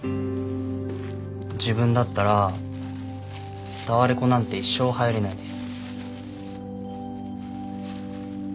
自分だったらタワレコなんて一生入れないです。